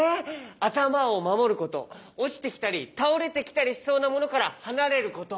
あたまをまもることおちてきたりたおれてきたりしそうなものからはなれること。